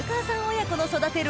親子の育てる